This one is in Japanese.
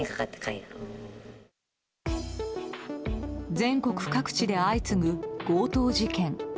全国各地で相次ぐ強盗事件。